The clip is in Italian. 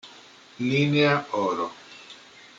Linea oro